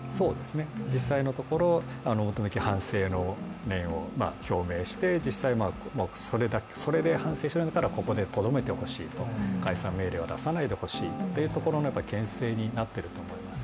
実際のところ表向き反省の面を表明して、実際、それで反省するからここでとどめてほしい解散命令は出さないでほしいというけん制になっていると思います。